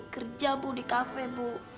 kerja bu di kafe bu